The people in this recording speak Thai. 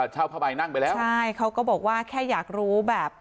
ผ้าใบนั่งไปแล้วใช่เขาก็บอกว่าแค่อยากรู้แบบ